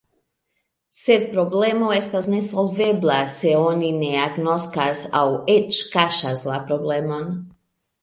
Sed problemo estas nesolvebla, se oni ne agnoskas aŭ eĉ kaŝas la problemon.